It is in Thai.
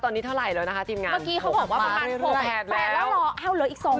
ตอนนี้เท่าไหร่เลยนะคะทีมงานประมาณ๖แผดแล้วอ้าวเหลืออีก๒คน